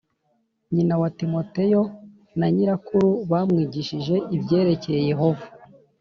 Nyina wa timoteyo na nyirakuru bamwigishije ibyerekeye yehova